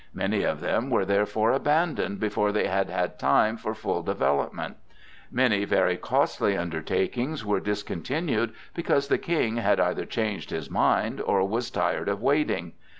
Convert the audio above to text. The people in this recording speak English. Many of them were therefore abandoned before they had had time for full development; many very costly undertakings were discontinued because the King had either changed his mind or was tired of waiting.